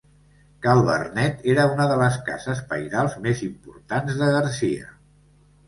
Ca Vernet era una de les cases pairals més importants de Garcia.